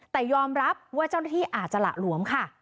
แต่ยอมรับว่าเจ้าหน้าที่อาจจะหละหลวมค่ะ